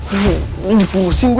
waduh pusing gue